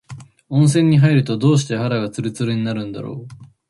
温泉に入ると、どうして肌がつるつるになるんだろう。